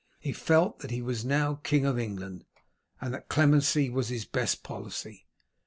He felt that he was now King of England, and that clemency was his best policy.